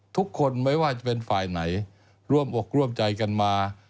ทุกคนไม่ว่าจะเป็นฝ่ายไหนร่วมอกร่วมใจกันมา